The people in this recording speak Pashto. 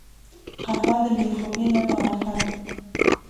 قهوه د بې خوبي لپاره ښه ده